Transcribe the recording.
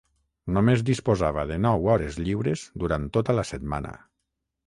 Només disposava de nou hores lliures durant tota la setmana.